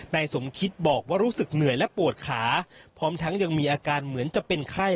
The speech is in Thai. นายสมคิดบอกว่ารู้สึกเหนื่อยและปวดขาพร้อมทั้งยังมีอาการเหมือนจะเป็นไข้